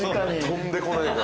飛んでこないかね。